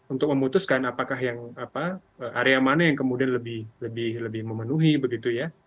untuk memutuskan apakah yang area mana yang kemudian lebih memenuhi begitu ya